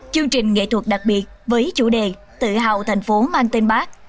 chương trình nghệ thuật đặc biệt với chủ đề tự hào thành phố mang tên bác